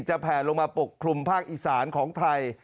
แผลลงมาปกคลุมภาคอีสานของไทย